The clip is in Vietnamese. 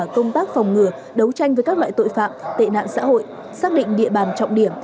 công tác phòng ngừa đấu tranh với các loại tội phạm tệ nạn xã hội xác định địa bàn trọng điểm